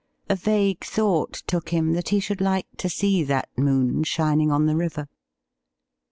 A vague thought took him that he should like to see that moon shining on the river.